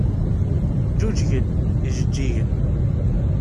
Ǧǧuǧgen yijeǧǧigen.